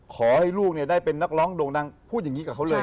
ขอให้ลูกได้เป็นนักร้องโด่งดังพูดอย่างนี้กับเขาเลย